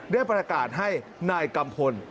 ได้ประกาศให้นายกัมพล